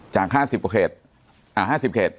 จาก๕๐ครบเขต